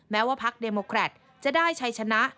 แม้ว่าพักเดโมแครตจะได้ชัยชนะ